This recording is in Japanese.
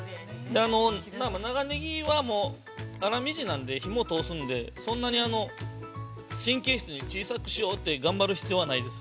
◆長ネギは、粗みじんなんで、火も通すんで、そんなに神経質に、小さくしようと頑張る必要はないです。